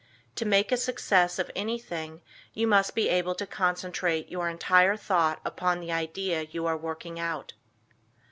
To make a success of anything you must be able to concentrate your entire thought upon the idea you are working out.